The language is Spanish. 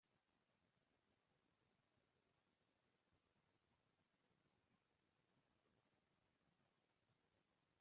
A partir de esta edición se dejo de disputar la prueba de contrarreloj.